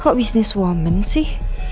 kok bisnis perempuan sih